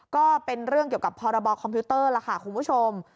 ก็เป็นเรื่องเกี่ยวกับพรบคอมพิวเตอร์ล่ะค่ะคุณผู้ชม